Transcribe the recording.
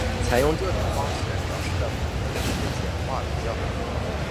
采用这种方式表示的目的是简化比较。